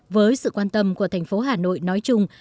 với sự quan tâm của thành phố hà nội nói chung